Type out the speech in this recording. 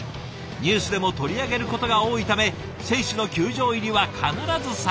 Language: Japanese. ニュースでも取り上げることが多いため選手の球場入りは必ず撮影。